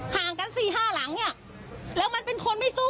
ห่างกันสี่ห้าหลังเนี่ยแล้วมันเป็นคนไม่สู้